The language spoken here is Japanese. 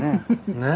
ねえ。